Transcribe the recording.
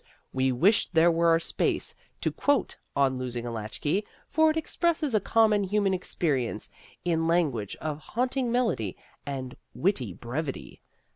We wish there were space to quote "On Losing a Latchkey," for it expresses a common human experience in language of haunting melody and witty brevity.